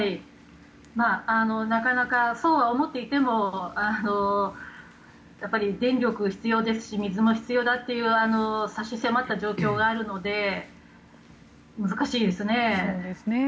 なかなかそうは思っていても電力は必要ですし水も必要だという差し迫った状況があるので難しいですね。